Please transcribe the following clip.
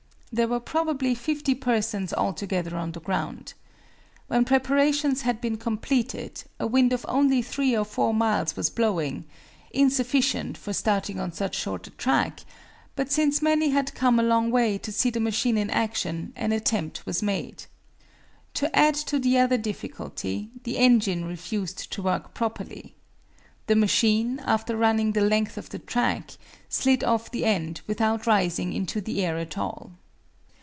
There were probably 50 persons altogether on the ground. When preparations had been completed a wind of only three or four miles was blowing insufficient for starting on so short a track but since many had come a long way to see the machine in action, an attempt was made. To add to the other difficulty, the engine refused to work properly. The machine, after running the length of the track, slid off the end without rising into the air at all.